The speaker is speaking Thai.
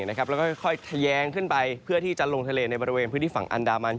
แล้วก็ค่อยทะแยงขึ้นไปเพื่อที่จะลงทะเลในบริเวณพื้นที่ฝั่งอันดามัน